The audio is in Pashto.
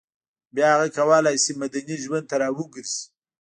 بیا هغه کولای شي مدني ژوند ته راوګرځي